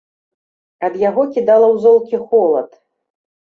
Ад яго кідала ў золкі холад.